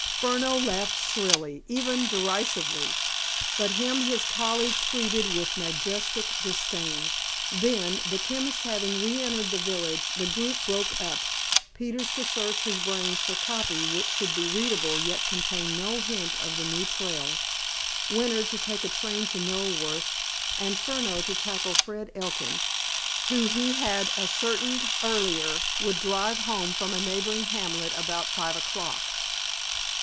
Furneaux laughed shrilly, even derisively, but him his colleague treated with majestic disdain. Then, the chemist having reentered the village, the group broke up, Peters to search his brains for "copy" which should be readable yet contain no hint of the new trail, Winter to take train to Knoleworth, and Furneaux to tackle Fred Elkin, who, he had ascertained earlier, would drive home from a neighboring hamlet about five o'clock.